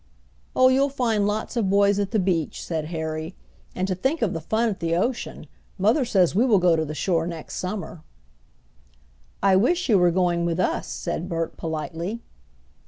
"Oh, you'll find lots of boys at the beach," said Harry. "And to think of the fun at the ocean! Mother says we will go to the shore next summer." "I wish you were going with us," said Bert politely.